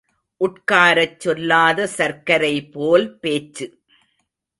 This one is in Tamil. உட்காரச் சொல்லாத சர்க்கரை போல் பேச்சு.